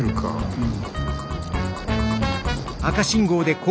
うん。